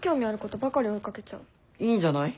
いいんじゃない？